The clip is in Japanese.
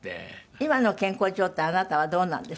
今の健康状態あなたはどうなんです？